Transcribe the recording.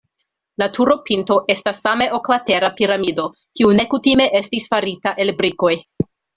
La turopinto estas same oklatera piramido, kiu nekutime estis farita el brikoj.